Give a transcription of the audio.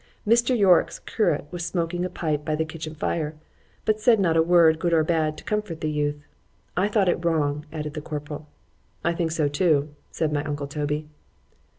——Mr. Yorick's curate was smoking a pipe by the kitchen fire,—but said not a word good or bad to comfort the youth.——I thought it wrong; added the corporal——I think so too, said my uncle _Toby.